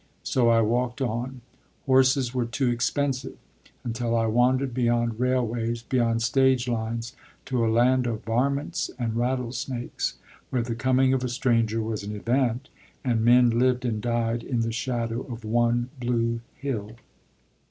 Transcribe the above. So I walked on horses were too expensive until I wandered beyond railways, beyond stage lines, to a land of "varmints" and rattlesnakes, where the coming of a stranger was an event, and men lived and died in the shadow of one blue hill.